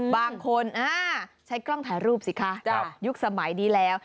บางคนใช้กล้องถ่ายรูปสิคะยุคสมัยนี้แล้ว